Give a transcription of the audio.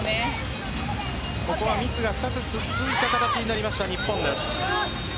ここはミスが２つ続いた形になりました日本です。